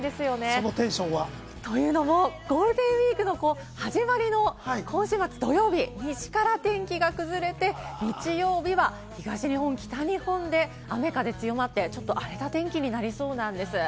そのテンションは？というのも、ゴールデンウイークの始まりの今週末土曜日、西から天気が崩れて、日曜日は東日本、北日本で雨・風が強まって、ちょっと荒れた天気になりそうなんです。